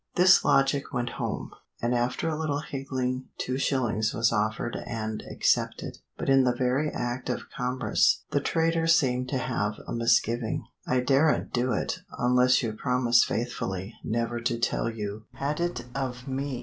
This logic went home, and after a little higgling two shillings was offered and accepted, but in the very act of commerce the trader seemed to have a misgiving. "I daren't do it unless you promise faithfully never to tell you had it of me.